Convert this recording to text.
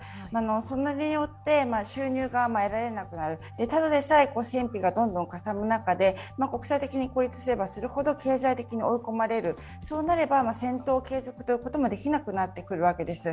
それによって収入が得られなくなる、ただでさえ戦費がどんどんかさむ中で国際的に孤立すればするほど経済的に追い込まれる、そうなれば戦闘継続もできなくなってくるわけです。